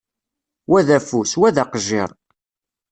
Wa d afus, wa d aqejjiṛ.